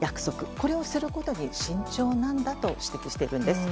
これをすることに慎重だと指摘しているんです。